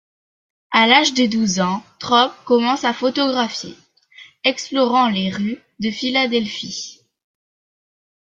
À l'âge de douze ans Traub commence à photographier, explorant les rues de Philadelphie.